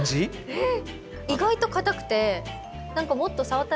えっ！